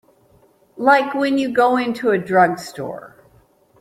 Like when you go into a drugstore.